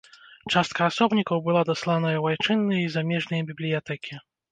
Частка асобнікаў была даслана ў айчынныя і замежныя бібліятэкі.